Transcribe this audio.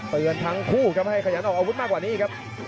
ทั้งคู่ครับให้ขยันออกอาวุธมากกว่านี้ครับ